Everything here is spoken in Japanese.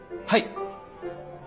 はい！